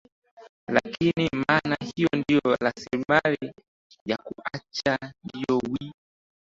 lakini maana hiyo ndiyo raslimali ya kuacha ndio wi